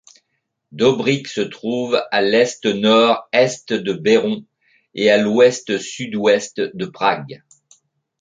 Dobříč se trouve à à l'est-nord-est de Beroun et à à l'ouest-sud-ouest de Prague.